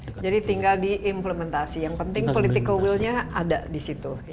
jadi tinggal diimplementasi yang penting political will nya ada di situ